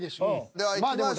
ではいきましょう。